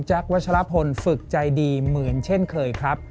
วัชลพลฝึกใจดีเหมือนเช่นเคยครับ